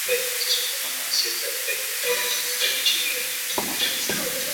雷佛奴尔又名利凡诺。